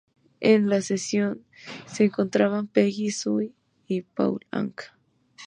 En la sesión se encontraban Peggy Sue y Paul Anka.